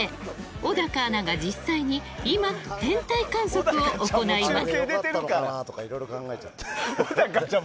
小高アナが実際に、今天体観測を行います。